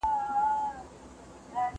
زه به سبا موبایل کاروم!.